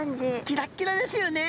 キラッキラですよね。